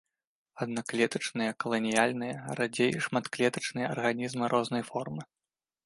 Аднаклетачныя, каланіяльныя, радзей шматклетачныя арганізмы рознай формы.